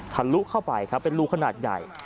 ลุเข้าไปครับเป็นรูขนาดใหญ่